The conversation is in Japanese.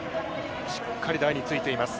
しっかり台についています。